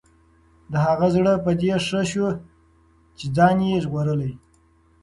د هغه زړه په دې ښه شو چې ځان یې ژغورلی.